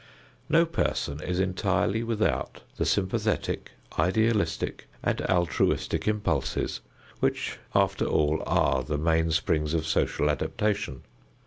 No person is entirely without the sympathetic, idealistic and altruistic impulses, which after all are the mainsprings of social adaptation.